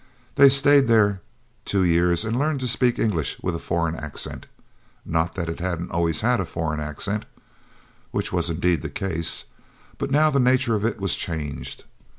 They staid there two years and learned to speak English with a foreign accent not that it hadn't always had a foreign accent (which was indeed the case) but now the nature of it was changed.